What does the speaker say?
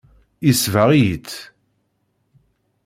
Yesbeɣ-iyi-tt.